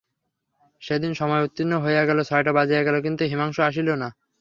সেদিন সময় উত্তীর্ণ হইয়া গেল, ছয়টা বাজিয়া গেল, কিন্তু হিমাংশু আসিল না।